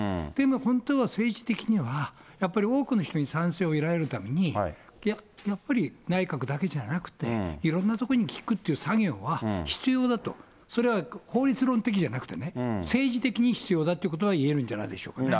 本当は政治的には、やっぱり多くの人に賛成を得られるために、やっぱり内閣だけじゃなくて、いろんなとこに聞くって作業は必要だと、それは法律論的じゃなくてね、政治的に必要だってことは言えるんじゃないでしょうかね。